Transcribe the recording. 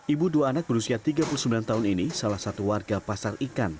ibu dua anak berusia tiga puluh sembilan tahun ini salah satu warga pasar ikan